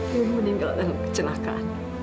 menyingkir dalam kecelakaan